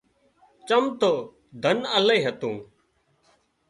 چم تو ڌن الاهي هتون